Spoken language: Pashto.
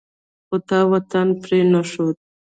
خو تا وطن پرې نه ښود.